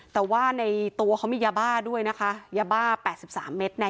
แต่ว่าในตัวเขามียาบ้าด้วยนะคะยาบ้าแปดสิบสามเมตรแน่